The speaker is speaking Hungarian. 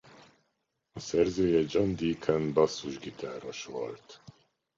A szerzője John Deacon basszusgitáros volt.